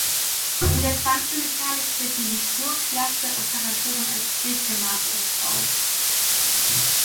In der Quantenmechanik treten die Spurklasse-Operatoren als Dichtematrix auf.